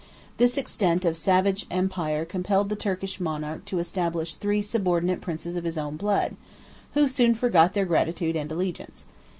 This extent of savage empire compelled the Turkish monarch to establish three subordinate princes of his own blood, who soon forgot their gratitude and allegiance.